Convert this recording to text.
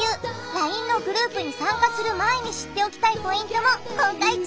ＬＩＮＥのグループに参加する前に知っておきたいポイントも公開中